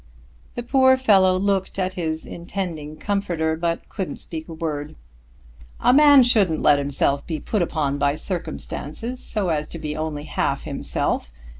The poor fellow looked at his intending comforter, but couldn't speak a word. "A man shouldn't let hisself be put upon by circumstances so as to be only half hisself.